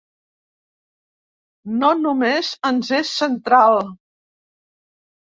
No només ens és central.